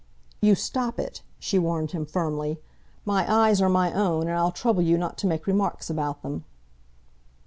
"You stop it!" she warned him firmly. "My eyes are my own, and I'll trouble you not to make remarks about them."